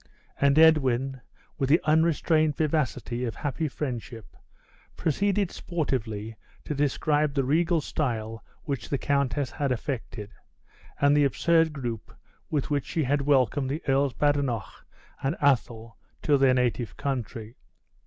And Edwin, with the unrestrained vivacity of happy friendship, proceeded sportively to describe the regal style which the countess had affected, and the absurd group with which she had welcomed the Earls Badenoch and Athol to their native country.